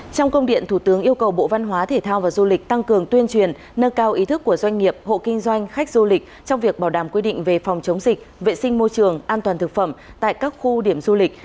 trong công điện thủ tướng yêu cầu bộ văn hóa thể thao và du lịch tăng cường tuyên truyền nâng cao ý thức của doanh nghiệp hộ kinh doanh khách du lịch trong việc bảo đảm quy định về phòng chống dịch vệ sinh môi trường an toàn thực phẩm tại các khu điểm du lịch